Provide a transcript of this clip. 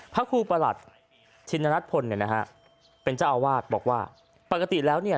พระครูประหลัดชินนัทพลเนี่ยนะฮะเป็นเจ้าอาวาสบอกว่าปกติแล้วเนี่ย